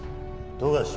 富樫